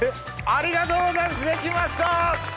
ありがとうございます出来ました！